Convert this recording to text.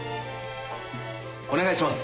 お願いします！